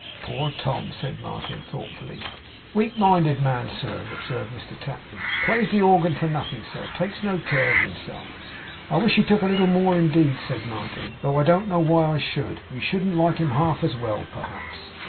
'Poor Tom!' said Martin, thoughtfully. 'Weak minded man, sir,' observed Mr Tapley. 'Plays the organ for nothing, sir. Takes no care of himself?' 'I wish he took a little more, indeed,' said Martin. 'Though I don't know why I should. We shouldn't like him half as well, perhaps.